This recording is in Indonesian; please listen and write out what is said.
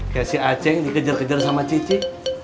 kayak si aceh dikejar kejar sama cici